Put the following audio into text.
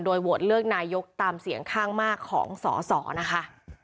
โหวตเลือกนายกตามเสียงข้างมากของสอสอนะคะ